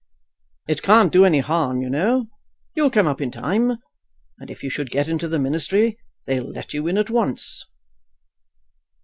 "It can't do any harm, you know. You'll come up in time. And if you should get into the ministry, they'll let you in at once."